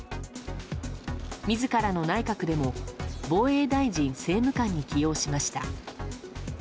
自らの内閣でも防衛大臣政務官に起用しました。